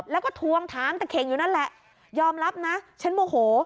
แล้วก็ทวงถามตะเข่งอยู่นั่นแหละยอมรับนะฉันโมโห